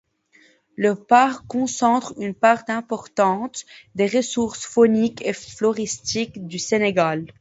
Le parc concentre une part importante des ressources fauniques et floristiques du Sénégal.